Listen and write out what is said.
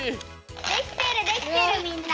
できてるできてるみんな。